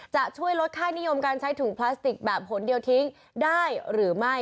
จะช่วยลดค่านิยมการใช้ถุงพลาสติกแบบหนเดียวทิ้งได้หรือไม่